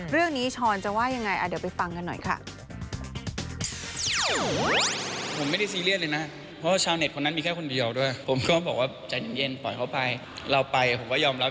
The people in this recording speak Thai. ช้อนจะว่ายังไงเดี๋ยวไปฟังกันหน่อยค่ะ